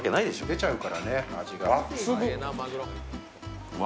出ちゃうからね、味が。